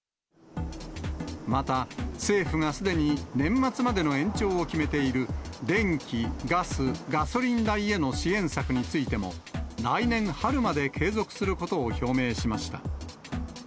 また、政府がすでに年末までの延長を決めている、電気・ガス・ガソリン代への支援策についても、来年春まで継続することを表明しました。